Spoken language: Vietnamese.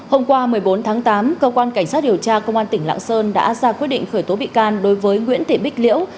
hôm qua một mươi bốn tháng tám cơ quan cảnh sát điều tra công an tỉnh lạng sơn đã ra quyết định khởi tố bị can đối với nguyễn thị bích liễu